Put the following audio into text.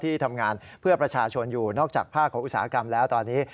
ที่ทำงานเพื่อประชาชนอยู่นอกจากภาคของอุตสาหกรรมแล้วตอนนี้